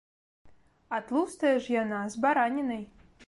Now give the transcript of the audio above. А тлустая ж яна, з баранінай.